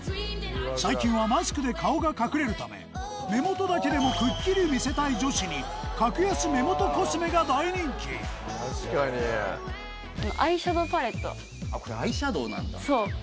最近はマスクで顔が隠れるため目元だけでもくっきり見せたい女子に格安これアイシャドウなんだ。